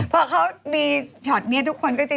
พอเขามีช็อตนี้ทุกคนก็จะ